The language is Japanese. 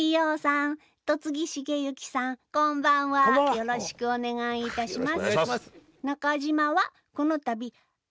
よろしくお願いします。